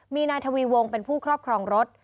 มีนายทวีวงเป็นผู้ครอบครองรถ